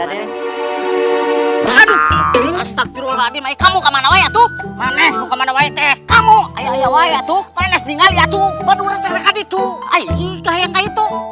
aduh astagfirullahaladzim kamu kemana ya tuh